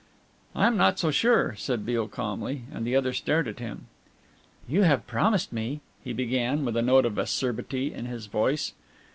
"I am not so sure," said Beale calmly, and the other stared at him. "You have promised me," he began, with a note of acerbity in his voice.